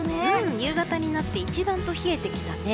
夕方になって一段と冷えてきたね。